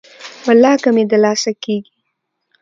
ولاکه مې د لاسه کیږي.